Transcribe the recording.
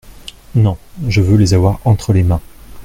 Non ; je veux les avoir entre les mains.